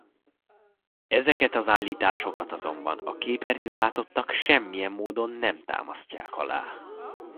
Ezeket az állításokat azonban a képernyőn látottak semmilyen módon nem támasztják alá.